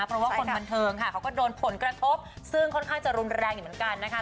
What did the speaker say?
เพราะว่าคนบันเทิงค่ะเขาก็โดนผลกระทบซึ่งค่อนข้างจะรุนแรงอยู่เหมือนกันนะคะ